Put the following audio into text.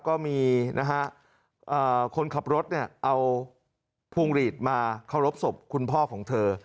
ก็มีคนขับรถเอาพวงหลีดมาเคารพศพคุณพ่อของเธอ